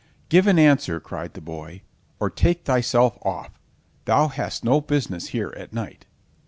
"Give an answer," cried the boy, "or take thyself off; thou hast no business here at night."